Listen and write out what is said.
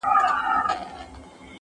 ږغ د پاولیو شرنګ د بنګړیو -